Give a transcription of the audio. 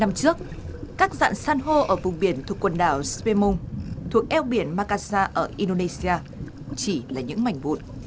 hai mươi năm trước các dạng săn hô ở vùng biển thuộc quần đảo spemung thuộc eo biển makassar ở indonesia chỉ là những mảnh vụn